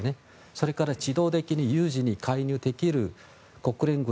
それから、自動的に有事に介入できる国連軍